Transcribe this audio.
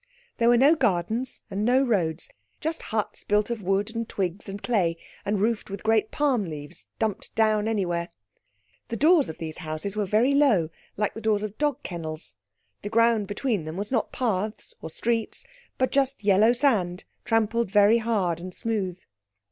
There were no gardens and no roads. Just huts built of wood and twigs and clay, and roofed with great palm leaves, dumped down anywhere. The doors of these houses were very low, like the doors of dog kennels. The ground between them was not paths or streets, but just yellow sand trampled very hard and smooth.